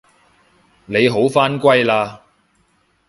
你好返歸喇